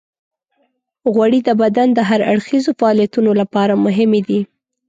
غوړې د بدن د هر اړخیزو فعالیتونو لپاره مهمې دي.